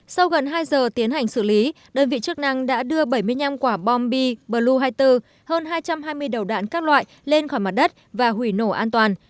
sau gần hai giờ tiến hành xử lý đơn vị chức năng đã đưa bảy mươi năm quả bom bi blue hai mươi bốn hơn hai trăm hai mươi đầu đạn các loại lên khỏi mặt đất và hủy nổ an toàn